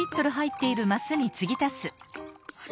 あれ？